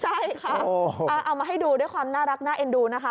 ใช่ค่ะเอามาให้ดูด้วยความน่ารักน่าเอ็นดูนะคะ